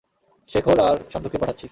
শেখর আর সান্ধুকে পাঠাচ্ছি।